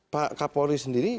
pak kapolri sendiri